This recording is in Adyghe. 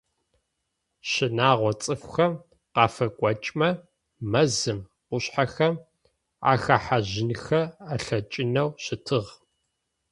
Щынагъо цӏыфхэм къафыкъокӏымэ, мэзым, къушъхьэхэм ахэхьажьынхэ алъэкӏынэу щытыгъ.